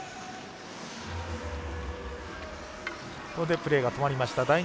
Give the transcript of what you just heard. ここでプレー止まりました。